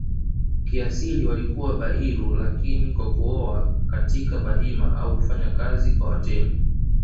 kiasili walikuwa Bairu lakini kwa kuoa katika Bahima au kufanya kazi kwa Watemi